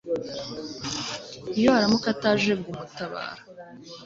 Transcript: iyo aramuka ataje gumutabara